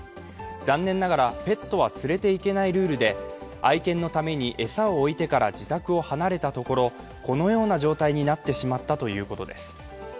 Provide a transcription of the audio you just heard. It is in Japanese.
残念ながらペットは連れていけないルールで、愛犬のために餌を置いてから自宅を離れたところ、このような状態になってしまったということです。